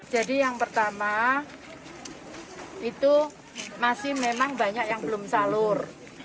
jadi yang pertama itu masih memang banyak yang belum salur